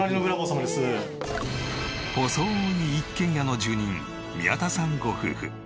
細い一軒家の住人宮田さんご夫婦。